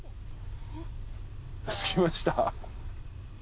着きました。